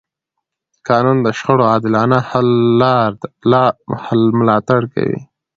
قانون د شخړو د عادلانه حل ملاتړ کوي.